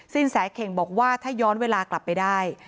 สินแสเข่งบอกว่าถ้าย้อนเวลากลับไปได้